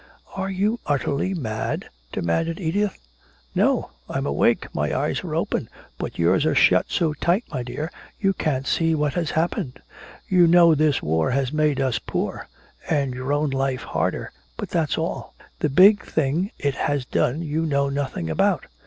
"Are you utterly mad?" demanded Edith. "No, I'm awake my eyes are open! But yours are shut so tight, my dear, you can't see what has happened! You know this war has made us poor and your own life harder, but that's all. The big thing it has done you know nothing about!"